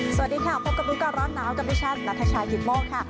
สวัสดีค่ะพบกับรู้ก่อนร้อนหนาวกับดิฉันนัทชายกิตโมกค่ะ